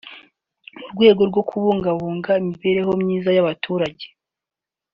mu rwego rwo kubungabunga imibereho myiza y’abaturage